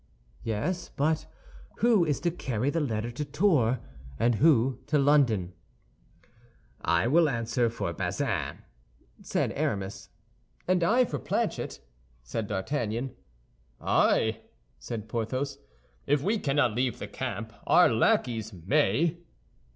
"Yes; but who is to carry the letter to Tours, and who to London?" "I answer for Bazin," said Aramis. "And I for Planchet," said D'Artagnan. "Ay," said Porthos, "if we cannot leave the camp, our lackeys may."